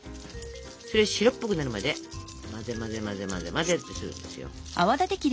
それ白っぽくなるまで混ぜ混ぜ混ぜ混ぜ混ぜってするんですよ。